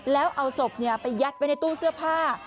แล้วเอาศพไปยัดไว้ในตู้เสื้อผ้า